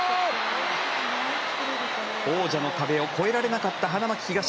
王者の壁を越えられなかった花巻東。